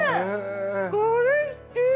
これ好き！